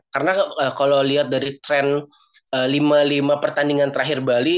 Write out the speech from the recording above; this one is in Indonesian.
karena kalau lihat dari tren lima lima pertandingan terakhir bali